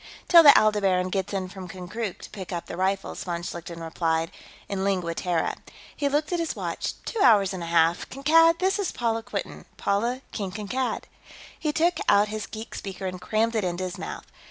"Till the Aldebaran gets in from Konkrook, to pick up the rifles," von Schlichten replied, in Lingua Terra. He looked at his watch. "Two hours and a half ... Kankad, this is Paula Quinton; Paula, King Kankad." He took out his geek speaker and crammed it into his mouth.